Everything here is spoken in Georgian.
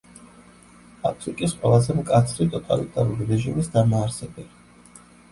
აფრიკის ყველაზე მკაცრი ტოტალიტარული რეჟიმის დამაარსებელი.